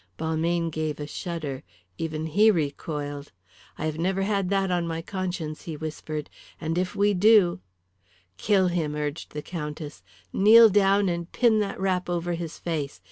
Balmayne gave a shudder. Even he recoiled. "I have never had that on my conscience," he whispered. "And if we do " "Kill him," urged the Countess. "Kneel down and pin that wrap over his face.